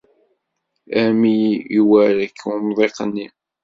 Armi iwerrek umḍiq-nni!